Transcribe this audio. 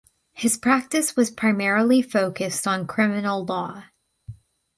His practice was primarily focused on criminal law.